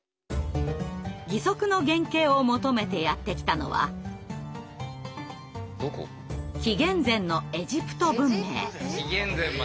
義足の原形を求めてやって来たのは紀元前のエジプト文明。